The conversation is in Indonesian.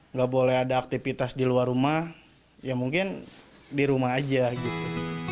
nggak boleh ada aktivitas di luar rumah ya mungkin di rumah aja gitu